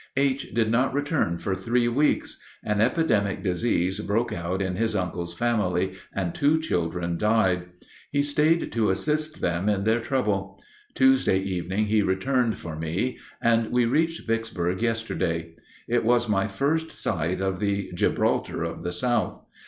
_) H. did not return for three weeks. An epidemic disease broke out in his uncle's family and two children died. He stayed to assist them in their trouble. Tuesday evening he returned for me, and we reached Vicksburg yesterday. It was my first sight of the "Gibraltar of the South."